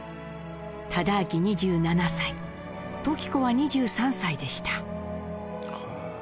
忠亮２７歳時子は２３歳でした。